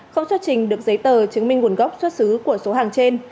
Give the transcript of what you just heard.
không xuất trình được giấy tờ chứng minh nguồn gốc xuất xứ của số hàng trên